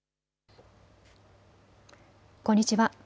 こんにちは。